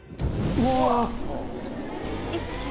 うわ！